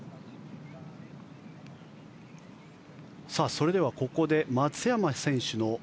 それでは、ここで松山選手の。